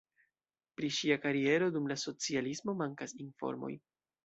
Pri ŝia kariero dum la socialismo mankas informoj.